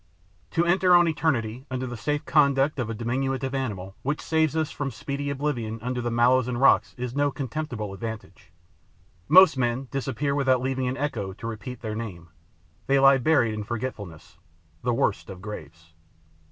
To enter on eternity under the safe conduct of a diminutive animal which saves us from speedy oblivion under the mallows and rockets is no contemptible advantage. Most men disappear without leaving an echo to repeat their name; they lie buried in forgetfulness, the worst of graves.